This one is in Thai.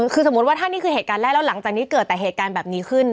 คือสมมุติว่าถ้านี่คือเหตุการณ์แรกแล้วหลังจากนี้เกิดแต่เหตุการณ์แบบนี้ขึ้น